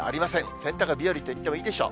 洗濯日和といってもいいでしょう。